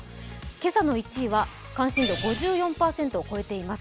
今朝の１位関心度５４％を超えています。